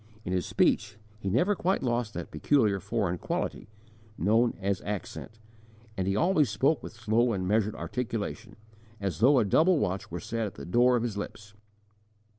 In his speech, he never quite lost that peculiar foreign quality, known as accent, and he always spoke with slow and measured articulation, as though a double watch were set at the door of his lips.